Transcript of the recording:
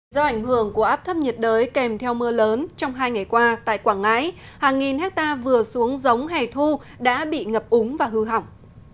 do ảnh hưởng của áp thấp nhiệt đới kèm theo mưa lớn trong hai ngày qua tại quảng ngãi hàng nghìn hectare vừa xuống giống hè thu đã bị ngập úng và hư hỏng